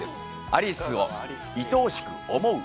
有栖をいとおしく思う